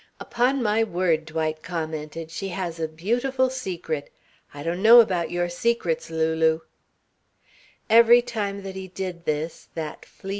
"Upon my word," Dwight commented, "she has a beautiful secret. I don't know about your secrets, Lulu."